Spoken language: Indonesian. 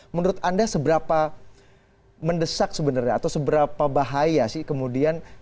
menurut anda seberapa mendesak sebenarnya atau seberapa bahaya sih kemudian